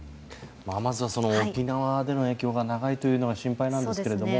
まずは沖縄での影響が長いというのが心配なんですけれども。